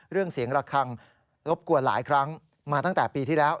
เรื่องเสียงระคังรบกวนหลายครั้งมาตั้งแต่ปีที่แล้ว